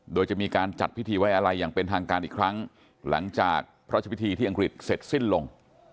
โดยจะมีการจัดพิธีไว้อะไรอย่างเป็นทางการอีกครั้งหลังจากพระราชพิธีที่อังกฤษเสร็จสิ้นลง